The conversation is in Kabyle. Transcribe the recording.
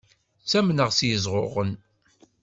Ttamneɣ s yiẓɣuɣen.